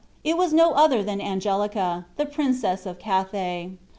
It was no other than Angelica, the Princess of Cathay.